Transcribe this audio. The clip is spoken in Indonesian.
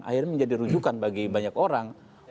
akhirnya menjadi rujukan bagi banyak orang